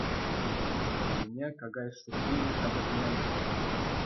Кулине какай шӳрпи те хатӗрленӗ.